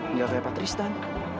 nggak kayak pak tristan